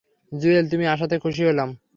জুয়েল, তুমি আসাতে খুশি হলাম।